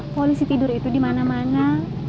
polisi tidur itu di mana mana